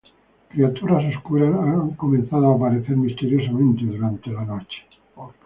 Criaturas oscuras han comenzado a aparecer misteriosamente, durante la noche.